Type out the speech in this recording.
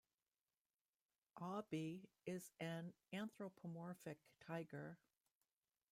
Aubie is an anthropomorphic tiger.